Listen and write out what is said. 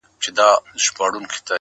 د شرابو خُم پر سر واړوه یاره-